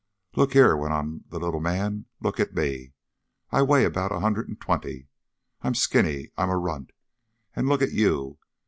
"Look here!" went on the little man. "Look at me. I weigh about a hundred and twenty. I'm skinny. I'm a runt. And look at you.